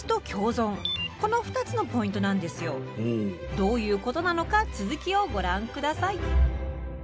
どういうことなのか続きをご覧下さい。